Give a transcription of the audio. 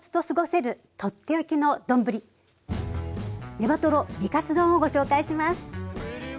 「ネバトロ美活丼」をご紹介します。